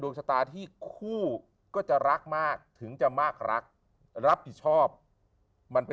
ชะตาที่คู่ก็จะรักมากถึงจะมากรักรับผิดชอบมันเป็น